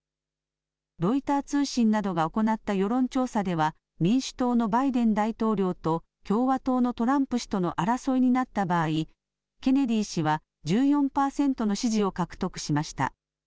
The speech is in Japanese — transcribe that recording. ロイター通信などが行った世論調査では民主党のバイデン大統領と共和党のトランプ氏との争いになった場合、ケネディ氏は１４％の支持を獲得しました。